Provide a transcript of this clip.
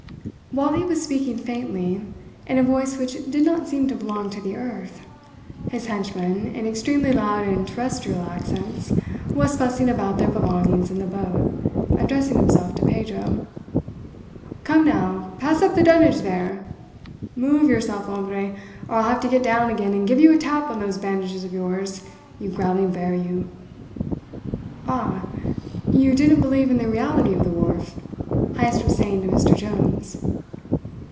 While he was speaking faintly, in a voice which did not seem to belong to the earth, his henchman, in extremely loud and terrestrial accents, was fussing about their belongings in the boat, addressing himself to Pedro: "Come, now pass up the dunnage there! Move, yourself, hombre, or I'll have to get down again and give you a tap on those bandages of yours, you growling bear, you!" "Ah! You didn't believe in the reality of the wharf?" Heyst was saying to Mr. Jones.